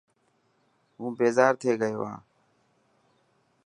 هون بيزار ٿي گيو هان.